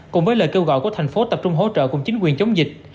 cùng với lời kêu gọi của thành phố tập trung hỗ trợ cùng chính quyền chống dịch